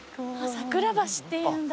桜橋っていうんだ。